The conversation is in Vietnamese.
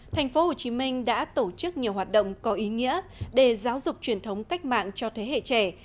thành phố hồ chí minh đã tổ chức nhiều hoạt động có ý nghĩa để giáo dục truyền thống cách mạng cho thế hệ trẻ